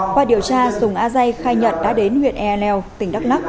qua điều tra sùng a dây khai nhận đã đến huyện e l l tỉnh đắk lắk